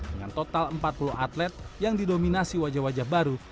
dengan total empat puluh atlet yang didominasi wajah wajah baru